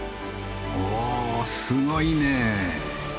おすごいね！